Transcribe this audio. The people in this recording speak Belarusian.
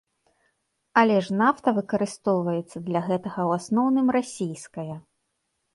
Але ж нафта выкарыстоўваецца для гэтага ў асноўным расійская.